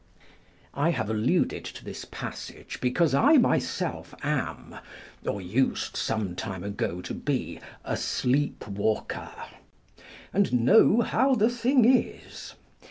I have alluded to this passage because I myself am (or used some time ago to be) a sleep walker ; and know how the thing is.